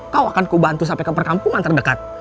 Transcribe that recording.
kau akan kubantu sampai ke perkampungan terdekat